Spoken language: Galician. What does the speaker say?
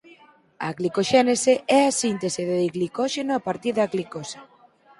A glicoxénese é a síntese de glicóxeno a partir da glicosa.